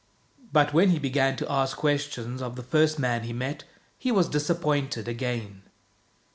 But when he began to ask questions of the first man he met, he was disappointed again.